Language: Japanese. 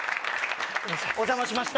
お邪魔しました。